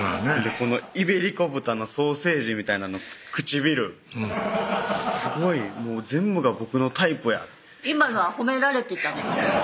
このイベリコ豚のソーセージみたいな唇すごい全部が僕のタイプや今のは褒められてたの？